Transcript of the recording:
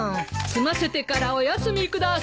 済ませてからお休みください。